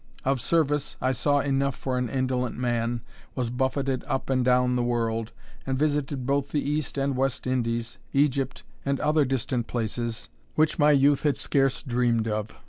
Of service, I saw enough for an indolent man was buffeted up and down the world, and visited both the East and West Indies, Egypt, and other distant places, which my youth had scarce dreamed of.